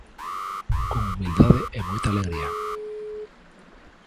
Con humildade e moita alegría.